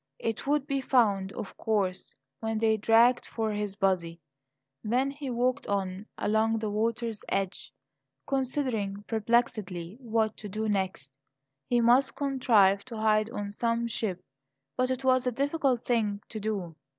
It would be found, of course, when they dragged for his body. Then he walked on along the water's edge, considering perplexedly what to do next. He must contrive to hide on some ship; but it was a difficult thing to do.